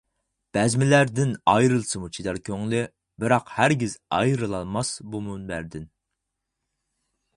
بەزمىلەردىن ئايرىلسىمۇ چىدار كۆڭلى، بىراق ھەرگىز ئايرىلالماس بۇ مۇنبەردىن.